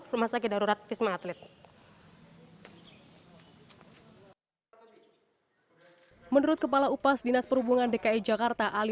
rumah sakit darurat wisma atlet menurut kepala upas dinas perhubungan dki jakarta ali